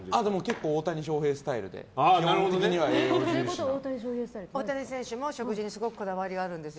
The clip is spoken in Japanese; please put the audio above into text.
結構、大谷翔平スタイルで基本的には栄養重視。